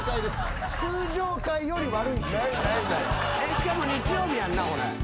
しかも日曜日やんなこれ？